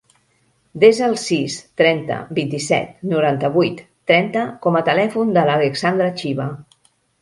Desa el sis, trenta, vint-i-set, noranta-vuit, trenta com a telèfon de l'Alexandra Chiva.